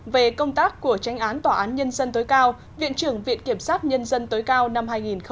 về công tác của tranh án tòa án nhân dân tối cao viện trưởng viện kiểm sát nhân dân tối cao năm hai nghìn một mươi tám